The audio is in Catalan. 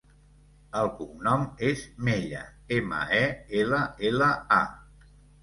El cognom és Mella: ema, e, ela, ela, a.